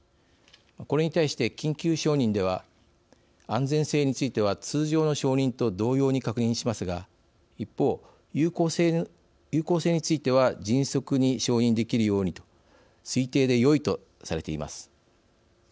これに対して、緊急承認では安全性については通常の承認と同様に確認しますが一方、有効性については迅速に承認できるようにと推定でよいとされています。